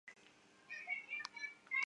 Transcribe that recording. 沙雷人口变化图示